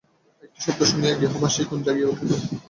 একটা শব্দ শুনিয়া গৃহবাসিগণ জাগিয়া উঠিল।